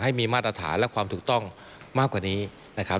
ให้มีมาตรฐานและความถูกต้องมากกว่านี้นะครับ